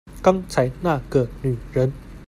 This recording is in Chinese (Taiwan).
剛才那個女人